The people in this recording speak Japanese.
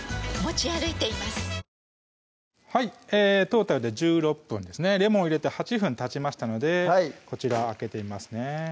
トータルで１６分ですねレモン入れて８分たちましたのでこちら開けてみますね